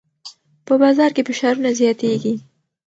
په بازار کې فشارونه زیاتېږي.